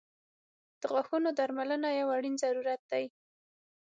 • د غاښونو درملنه یو اړین ضرورت دی.